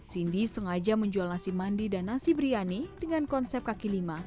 cindy sengaja menjual nasi mandi dan nasi biryani dengan konsep kaki lima